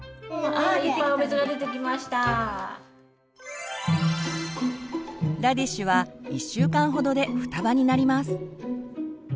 ラディッシュは１週間ほどで双葉になります。